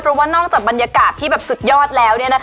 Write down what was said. เพราะว่านอกจากบรรยากาศที่แบบสุดยอดแล้ว